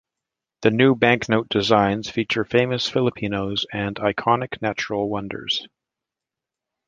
The new banknote designs feature famous Filipinos and iconic natural wonders.